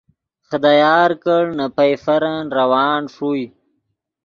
خدا یار کڑ نے پئیفرن روان ݰوئے